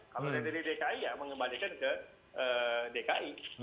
kalau dari dki ya mengembalikan ke dki